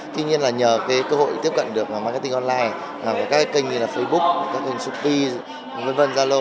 tuy nhiên là nhờ cái cơ hội tiếp cận được marketing online với các kênh như là facebook các kênh shopee v v zalo